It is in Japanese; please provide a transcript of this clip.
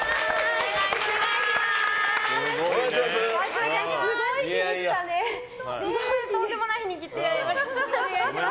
お願いします。